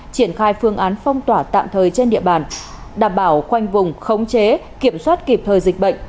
triển khai phương án phong tỏa tạm thời trên địa bàn đảm bảo khoanh vùng khống chế kiểm soát kịp thời dịch bệnh